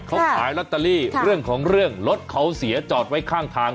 เขาขายลอตเตอรี่เรื่องของเรื่องรถเขาเสียจอดไว้ข้างทาง